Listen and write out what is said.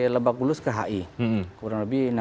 lebakulus ke hi kurang lebih